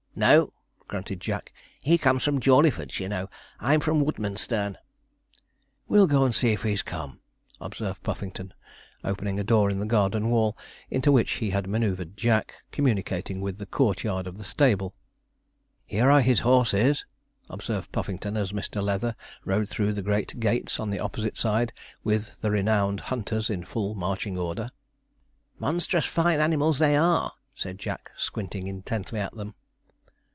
'No,' grunted Jack; 'he comes from Jawleyford's, you know; I'm from Woodmansterne.' 'We'll go and see if he's come,' observed Puffington, opening a door in the garden wall, into which he had manoeuvred Jack, communicating with the courtyard of the stable. 'Here are his horses,' observed Puffington, as Mr. Leather rode through the great gates on the opposite side, with the renowned hunters in full marching order. 'Monstrous fine animals they are,' said Jack, squinting intently at them.